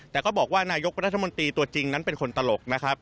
แต่ก็บอกว่านายกรัฐมนตรีตัวจริงนั้นเป็นคนตลกนะครับ